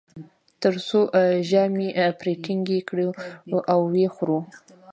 تر څو ژامې پرې ټینګې کړو او و یې خورو.